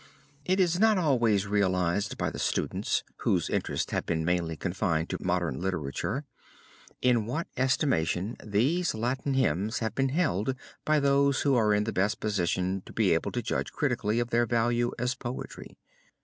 It is not always realized by the students whose interests have been mainly confined to modern literature, in what estimation these Latin hymns have been held by those who are in the best position to be able to judge critically of their value as poetry.